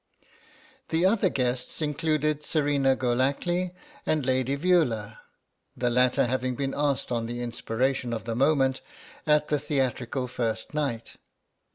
The other guests included Serena Golackly and Lady Veula, the latter having been asked on the inspiration of the moment at the theatrical first night.